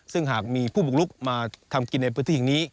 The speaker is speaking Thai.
ซึ่งหากมีผู้บุกลุกมาทำกินในพื้นที่แห่งนี้